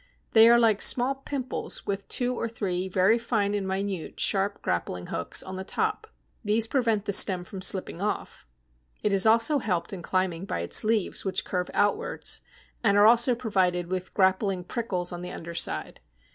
They are like small pimples with two or three very fine and minute, sharp grappling hooks on the top. These prevent the stem from slipping off. It is also helped in climbing by its leaves, which curve outwards, and are also provided with grappling prickles on the under side.